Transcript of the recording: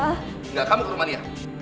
enggak kamu ke rumania